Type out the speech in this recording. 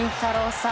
さん